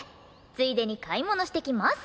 「ついでに買い物してきますっ」